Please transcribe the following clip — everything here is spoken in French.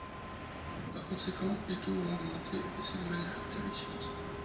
Par conséquent, les taux vont augmenter, et ce de manière terrifiante.